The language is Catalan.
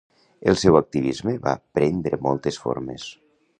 El seu activisme va prendre moltes formes.